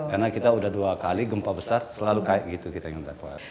karena kita udah dua kali gempa besar selalu kayak gitu kita ingin dapat